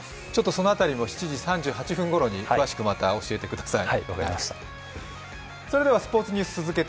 その辺りも７時３８分ごろに詳しくまた教えてください。